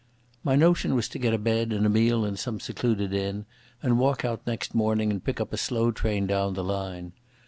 My notion was to get a bed and a meal in some secluded inn, and walk out next morning and pick up a slow train down the line.